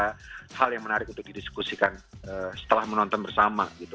ada hal yang menarik untuk didiskusikan setelah menonton bersama gitu